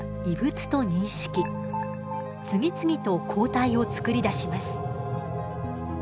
次々と抗体をつくり出します。